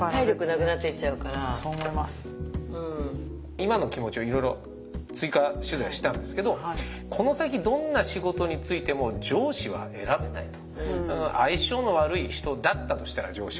今の気持ちをいろいろ追加取材したんですけどこの先どんな仕事に就いても不安だと。